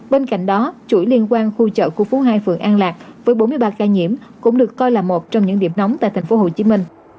bên cạnh đó chuỗi liên quan khu chợ của phú hai phường an lạc với bốn mươi ba ca nhiễm cũng được coi là một trong những điểm nóng tại tp hcm